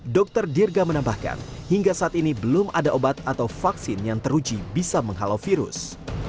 dr dirga menambahkan hingga saat ini belum ada obat atau vaksin yang teruji bisa menghalau virus